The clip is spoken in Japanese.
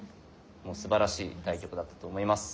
もうすばらしい対局だったと思います。